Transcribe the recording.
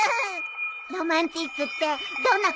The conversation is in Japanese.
ロマンチックってどんなことをするの？